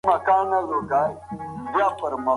شدید تمرین ګلایکوجن سوځوي.